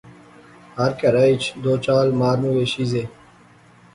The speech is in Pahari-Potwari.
ہر کہرا اچ دو چار مال مویشی زے